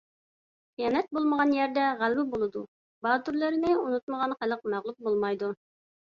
خىيانەت بولمىغان يەردە غەلىبە بولىدۇ؛ باتۇرلىرىنى ئۇنتۇمىغان خەلق مەغلۇپ بولمايدۇ.